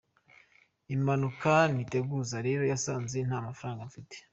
Impanuka ntiteguza rero yasanze nta mafaranga mfite.